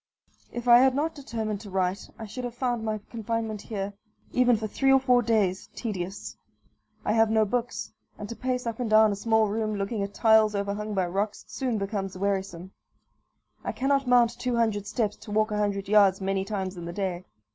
If I had not determined to write I should have found my confinement here, even for three or four days, tedious. I have no books; and to pace up and down a small room, looking at tiles overhung by rocks, soon becomes wearisome. I cannot mount two hundred steps to walk a hundred yards many times in the day.